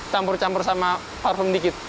campur campur sama parfum dikit